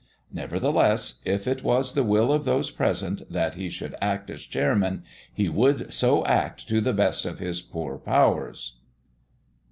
Nevertheless, if it was the will of those present that he should act as chairman, he would so act to the best of his poor powers.